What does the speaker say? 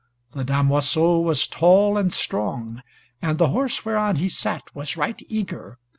The damoiseau was tall and strong, and the horse whereon he sat was right eager.